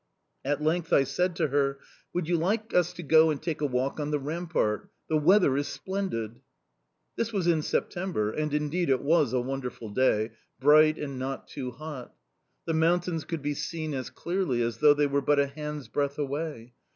"At length I said to her: "'Would you like us to go and take a walk on the rampart? The weather is splendid.' "This was in September, and indeed it was a wonderful day, bright and not too hot. The mountains could be seen as clearly as though they were but a hand's breadth away.